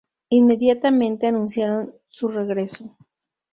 Inmediatamente anunciaron su regreso.